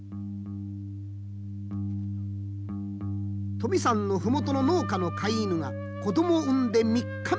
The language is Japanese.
富山の麓の農家の飼い犬が子どもを産んで３日目の夜のこと。